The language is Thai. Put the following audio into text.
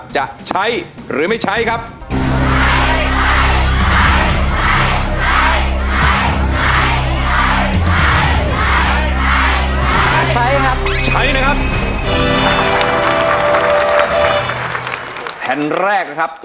จะใช้หรือไม่ใช้ครับ